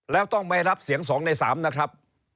แล้วต้องไม่รับเสียง๒ใน๓นะครับ